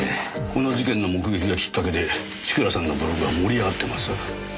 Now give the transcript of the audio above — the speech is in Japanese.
この事件の目撃がきっかけで千倉さんのブログが盛り上がってます。